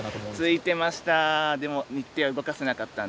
ついてました。